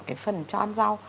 cái phần cho ăn rau